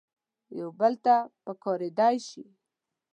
یو بل ته پکارېدلای شي.